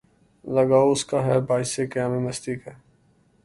لگاؤ اس کا ہے باعث قیامِ مستی کا